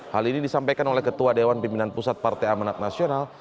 hal ini disampaikan oleh ketua dewan pimpinan pusat partai amanat nasional